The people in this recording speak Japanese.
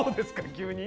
急に。